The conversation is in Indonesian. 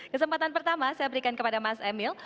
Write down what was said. kesempatan pertama saya berikan kepada mas emil